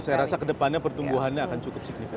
saya rasa ke depannya pertumbuhannya akan cukup signifikan